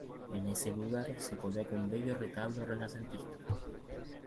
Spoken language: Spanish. En ese lugar se coloca un bello retablo renacentista.